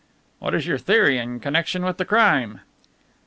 "What is your theory in connection with the crime?"